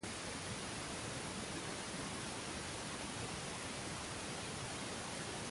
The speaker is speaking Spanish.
En las montañas, los hogares y los sanatorios atrajeron el turismo de las fiestas.